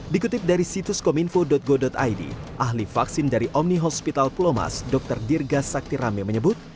dikutip dari situs kominfo go id ahli vaksin dari omni hospital plomas dr dirga saktirame menyebut